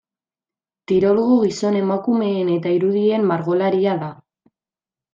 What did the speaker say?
Tirolgo gizon-emakumeen eta irudien margolaria da.